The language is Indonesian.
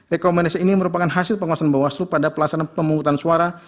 rekomendasi ini merupakan hasil pengawasan bawasem pada pelaksanaan pengurutan suara